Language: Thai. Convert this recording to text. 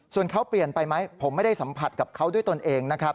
ส่วนเขาเปลี่ยนไปไหมผมไม่ได้สัมผัสกับเขาด้วยตนเองนะครับ